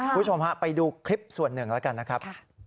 คุณผู้ชมฮะไปดูคลิปส่วนหนึ่งแล้วกันนะครับ